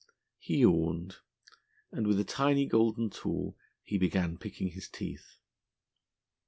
He yawned, and with a tiny golden tool he began picking his teeth.